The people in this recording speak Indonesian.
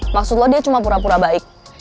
maksud lo dia cuma pura pura baik